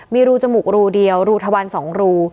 มีรูจมูกรูเดียวรูทวัน๒รู